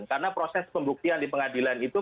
karena proses pembuktian di pengadilan itu